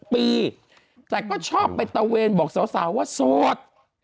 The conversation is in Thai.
ปีแต่ก็ชอบไปตะเวนบอกสาวว่าโสด